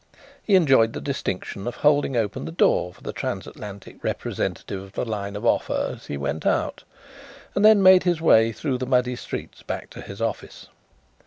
He enjoyed the distinction of holding open the door for the transatlantic representative of the line of Offa as he went out, and then made his way through the muddy streets back to his office.